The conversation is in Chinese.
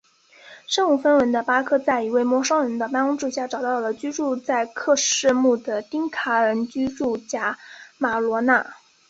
身无分文的巴克在一位陌生人的帮助下找到了居住在喀土穆的丁卡人聚居区贾巴罗纳。